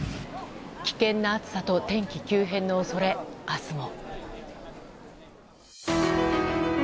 危険な暑さと天気急変の恐れ明日も。